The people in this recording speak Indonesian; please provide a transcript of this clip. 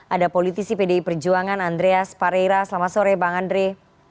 ada politisi pdi perjuangan andreas pareira selamat sore bang andre